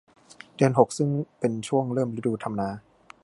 เดือนหกซึ่งเป็นช่วงเริ่มฤดูทำนา